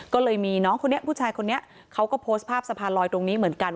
ก็เลยมีน้องคนนี้ผู้ชายคนนี้เขาก็โพสต์ภาพสะพานลอยตรงนี้เหมือนกัน